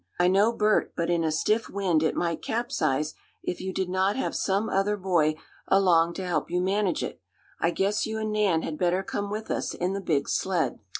I know, Bert, but in a stiff wind it might capsize if you did not have some other boy along to help you manage it. I guess you and Nan had better come with us in the big sled."